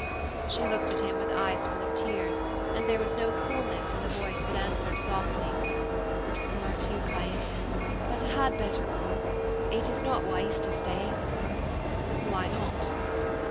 She looked at him with eyes full of tears, and there was no coolness in the voice that answered softly, "You are too kind, but I had better go; it is not wise to stay." "Why not?"